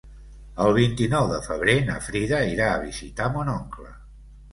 El vint-i-nou de febrer na Frida irà a visitar mon oncle.